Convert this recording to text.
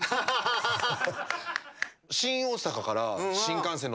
ハハハハハ。